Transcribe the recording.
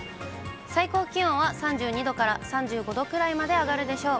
最高気温は３２度から３５度くらいまで上がるでしょう。